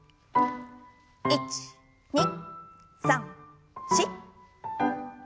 １２３４。